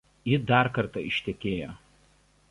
Ji dar kartą ištekėjo.